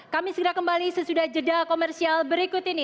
kami segera kembali sesudah jeda komersial berikut ini